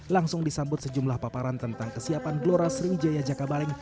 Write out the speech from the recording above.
langsung disambut sejumlah paparan tentang kesiapan gloral sriwijaya jakabareng